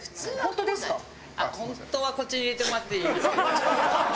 本当はこっちに入れてもらっていいんですけど。